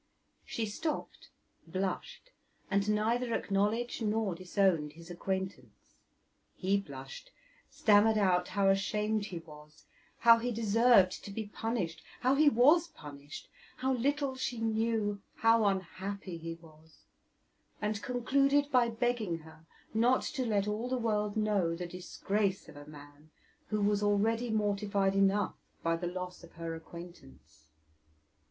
She stopped, blushed, and neither acknowledged nor disowned his acquaintance. He blushed, stammered out how ashamed he was, how he deserved to be punished, how he was punished, how little she knew how unhappy he was, and concluded by begging her not to let all the world know the disgrace of a man who was already mortified enough by the loss of her acquaintance.